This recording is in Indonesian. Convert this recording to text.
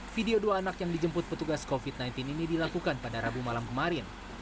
video dua anak yang dijemput petugas covid sembilan belas ini dilakukan pada rabu malam kemarin